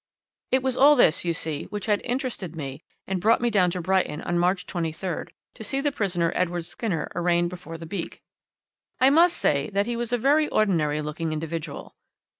"It was all this, you see, which had interested me and brought me down to Brighton on March 23rd to see the prisoner Edward Skinner arraigned before the beak. I must say that he was a very ordinary looking individual.